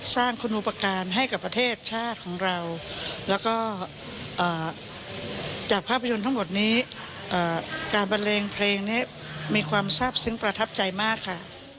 ทั้งหมดนี้การบรรเลงเพลงนี้มีความทราบซึ้งประทับใจมากค่ะ